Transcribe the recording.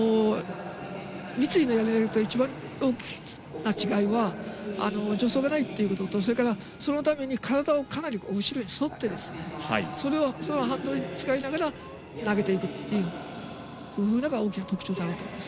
立位のやり投げと一番大きな違いは助走がないということとそれから、そのために体をかなり後ろに反ってそれを反動に使いながら投げていくというのが大きな特徴かなと思います。